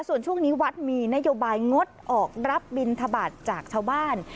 ส่วนช่วงนี้วัดมีนโยบายงดออกรับบินทบาทจากชาวบ้าน